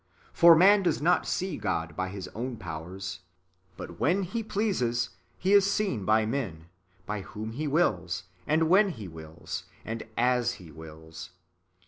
^ For man does not see God by his own powers ; but when He pleases He is seen by men, by whom He wills, and when He wills, and as He wills.